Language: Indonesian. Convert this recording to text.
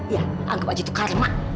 ya anggap aja itu karma